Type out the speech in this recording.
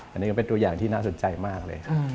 อันนี้ก็เป็นตัวอย่างที่น่าสนใจมากเลย